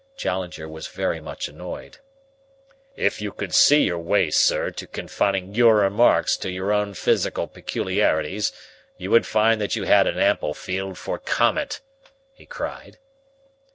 Challenger was very much annoyed. "If you could see your way, sir, to confining your remarks to your own physical peculiarities, you would find that you had an ample field for comment," he cried.